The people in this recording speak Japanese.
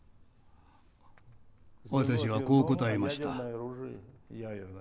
私はこう答えました。